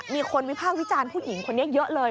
มีคนวิพากษ์วิจารณ์ผู้หญิงคนนี้เยอะเลย